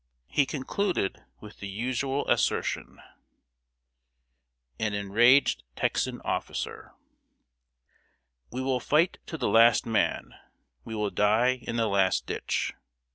He concluded with the usual assertion: A species of Southern oak. "We will fight to the last man! We will die in the last ditch!"